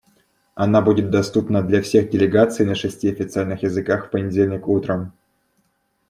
Она будет доступна для всех делегаций на шести официальных языках в понедельник утром.